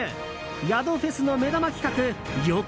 宿フェスの目玉企画旅館